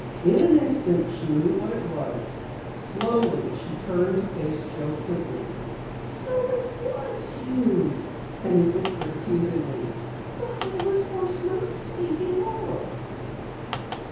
In an instant she knew what it was. Slowly she turned to face Joe Quigley. "So it was you!" she whispered accusingly. "The Headless Horseman of Sleepy Hollow!"